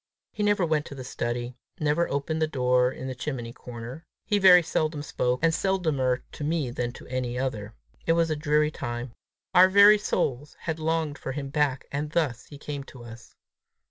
He never went to the study; never opened the door in the chimney corner. He very seldom spoke, and seldomer to me than to any other. It was a dreary time! Our very souls had longed for him back, and thus he came to us!